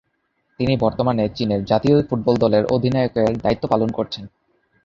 তিনি বর্তমানে চীনের জাতীয় ফুটবল দলের অধিনায়কের দায়িত্ব পালন করছেন।